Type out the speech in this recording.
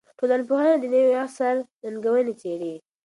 ټولنپوهنه د نوي عصر ننګونې څېړي.